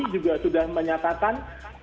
juga sudah menyatakan